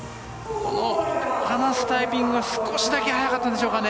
離すタイミングが少しだけ早かったんでしょうかね。